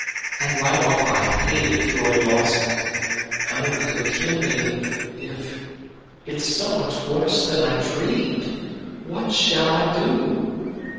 And right off I hated Floyd Lawson. Oh, it'll kill me if if It's so much worse than I dreamed. What shall I do?"